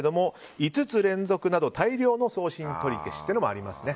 ５つ連続など大量の送信取り消しもありますね。